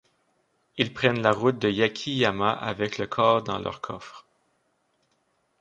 Ils prennent la route de Yaki-Yama avec le corps dans leur coffre.